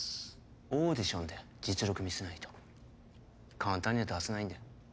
オーディションで実力見せないと簡単には出せないんで。